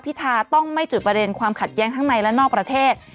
ทาต้องไม่จุดประเด็นความขัดแย้งทั้งในและนอกประเทศ